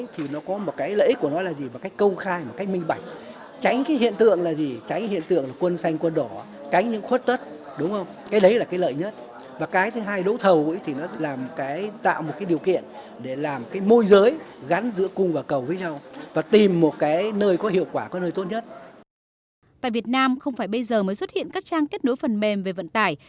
tại việt nam không phải bây giờ mới xuất hiện các trang kết nối phần mềm về vận tải